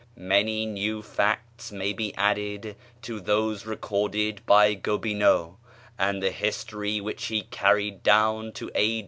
Many new facts may be added to those recorded by Gobineau, and the history which he carried down to A.